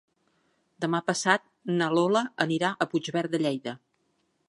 Demà passat na Lola anirà a Puigverd de Lleida.